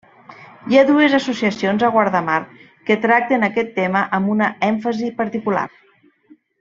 Hi ha dues associacions a Guardamar que tracten aquest tema amb una èmfasi particular.